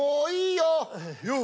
よう！